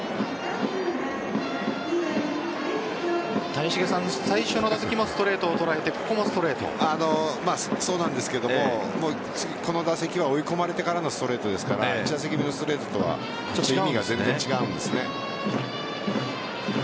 谷繁さん、最初の打席もストレートを捉えてそうなんですがこの打席は追い込まれてからのストレートですから１打席目のストレートとは意味が全然違うんです。